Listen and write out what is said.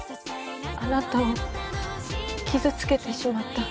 あなたを傷つけてしまった。